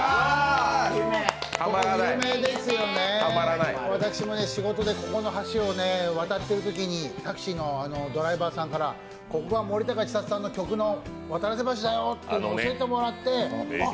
有名ですよね、私も仕事でここの橋を渡ってるときにタクシーのドライバーさんからここが森高千里さんの曲の渡良瀬橋だよって教えてもらってあ、